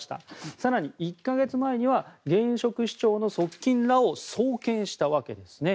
更に、１か月前には現職市長の側近らを送検したわけですね。